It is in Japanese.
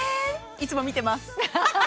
「いつも見てます」